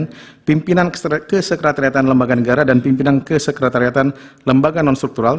kepala pemimpinan kesekretariatan lembaga negara dan pemimpinan kesekretariatan lembaga nonstruktural